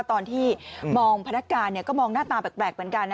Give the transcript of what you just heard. ตอนที่มองพนักงานก็มองหน้าตาแปลกเหมือนกัน